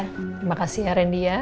terima kasih ya randy ya